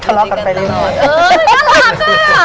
ทะเลาะกันไปเรื่อย